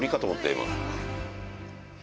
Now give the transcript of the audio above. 今。